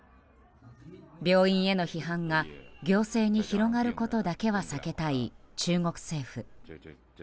病院への批判が行政に広がることだけは避けたい中国政府。